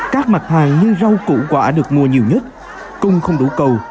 các mặt hàng như rau củ quả được mua nhiều nhất cung không đủ cầu